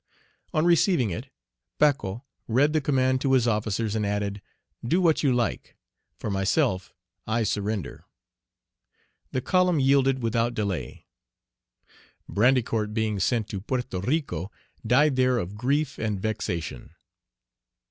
On receiving it, Pacot read the command to his officers, and added, "Do what you like; for myself, I surrender." The column yielded without delay. Brandicourt, being sent to Porto Rico, died there of grief and vexation.